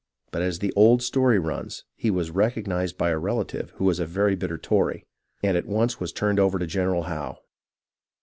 But as the old story runs, he was recognized by a relative who was a very bitter Tory, and at once was turned over to General Howe.